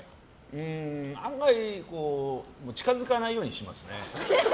あんまり近づかないようにしますね。